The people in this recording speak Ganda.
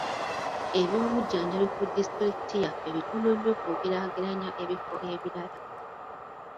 Ebyobujjanjabi ku disitulikiti yaffe bitono nnyo bw'ogeraageranya ebifo ebirala.